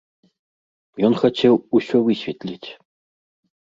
Ён хацеў усё высветліць.